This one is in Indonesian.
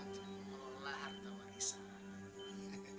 untuk mengelola harta warisan